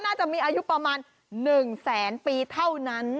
น่าจะมีอายุประมาณ๑แสนปีเท่านั้น